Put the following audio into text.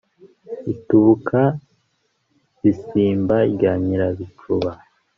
i tubuka-bisimba rya nyirabicuba